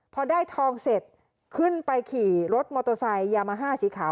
พอได้ทองเสร็จขึ้นไปขี่รถมอเตอร์ไซค์ยามาฮ่าสีขาว